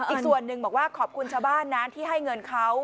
อีกส่วนหนึ่งบอกว่าขอบคุณชาวบ้านนะที่ให้เงินเขา